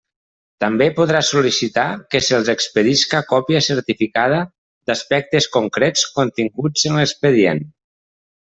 També podrà sol·licitar que se'ls expedisca còpia certificada d'aspectes concrets continguts en l'expedient.